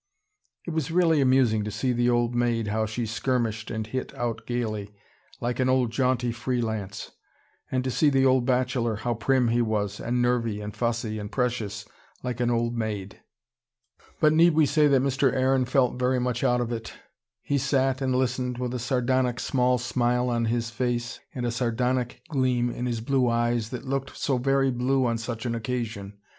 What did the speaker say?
It was really amusing to see the old maid, how she skirmished and hit out gaily, like an old jaunty free lance: and to see the old bachelor, how prim he was, and nervy and fussy and precious, like an old maid. But need we say that Mr. Aaron felt very much out of it. He sat and listened, with a sardonic small smile on his face and a sardonic gleam in his blue eyes, that looked so very blue on such an occasion.